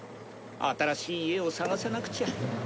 新しい家を探さなくちゃ。